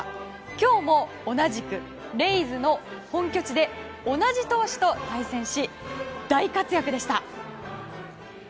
今日も同じくレイズの本拠地で同じ投手と対戦し大活躍でした。